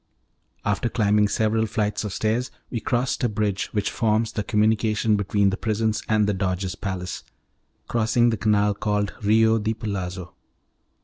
After climbing several flights of stairs we crossed a closed bridge which forms the communication between the prisons and the Doge's palace, crossing the canal called Rio di Palazzo.